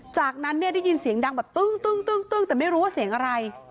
จากนั้นเนี่ยได้ยินเสียงดังแบบตึ้งแต่ไม่รู้ว่าเสียงอะไร